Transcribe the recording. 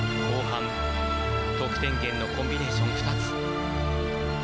後半、得点源のコンビネーション２つ。